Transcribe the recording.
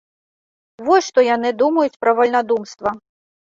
Вось што яны думаюць пра вальнадумства.